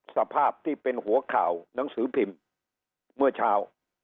สภาพที่เป็นหัวข่าวหนังสือพิมพ์เมื่อเช้า